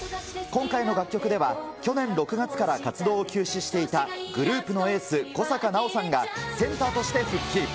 今回の楽曲では、去年６月から活動を休止していた、グループのエース、小坂菜緒さんが、センターとして復帰。